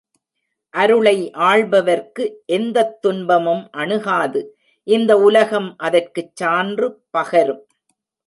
அருளை ஆள்பவர்க்கு எந்தத் துன்பமும் அணுகாது இந்த உலகம் அதற்குச் சான்று பகரும்.